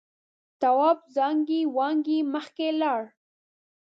تواب زانگې وانگې مخکې لاړ.